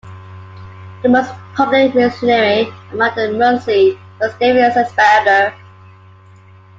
The most prominent missionary among the Munsee was David Zeisberger.